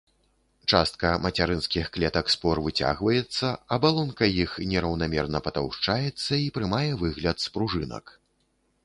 Частка мацярынскіх клетак спор выцягваецца, абалонка іх нераўнамерна патаўшчаецца і прымае выгляд спружынак.